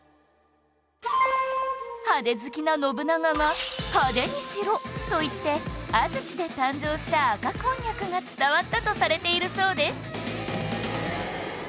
派手好きな信長が「派手にしろ！」と言って安土で誕生した赤こんにゃくが伝わったとされているそうです